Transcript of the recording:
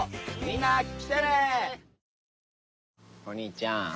お兄ちゃん。